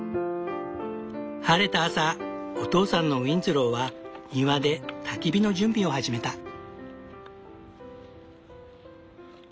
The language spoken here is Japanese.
晴れた朝お父さんのウィンズローは庭でたき火の準備を始めた。